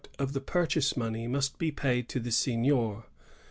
of the purchase money must be paid to the seignior.